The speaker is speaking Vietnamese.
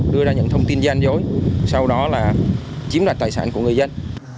đưa ra những thông tin gian dối sau đó là chiếm đoạt tài sản của người dân